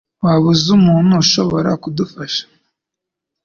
Waba uzi umuntu ushobora kudufasha?